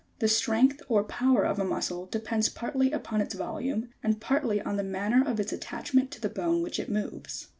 68. The strength or power of a muscle depends partly upon its volume, and partly on the manner of its attachment to the bone which it moves.